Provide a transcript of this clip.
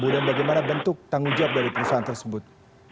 dan bagaimana bentuk tanggul jawab dari perusahaan tersebut